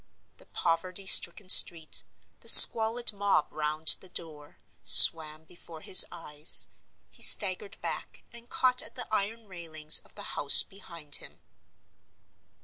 The poverty stricken street, the squalid mob round the door, swam before his eyes. He staggered back and caught at the iron railings of the house behind him.